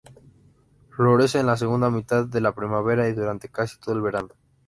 Florece en la segunda mitad de la primavera y durante casi todo el verano.